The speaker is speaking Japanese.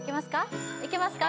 いけますか？